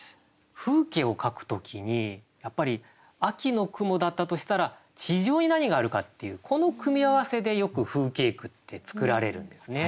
風景を描く時にやっぱり秋の雲だったとしたら地上に何があるかっていうこの組み合わせでよく風景句って作られるんですね。